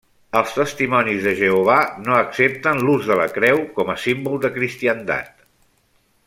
Els Testimonis de Jehovà no accepten l'ús de la creu com a símbol de cristiandat.